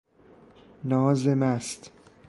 ناز مست